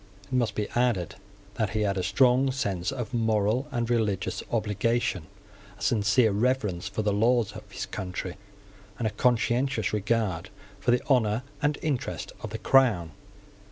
It must be added that he had a strong sense of moral and religious obligation, a sincere reverence for the laws of his country, and a conscientious regard for the honour and interest of the Crown.